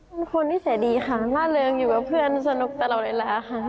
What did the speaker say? เป็นคนนิสัยดีค่ะล่าเริงอยู่กับเพื่อนสนุกตลอดเวลาค่ะ